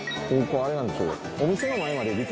あれなんですよ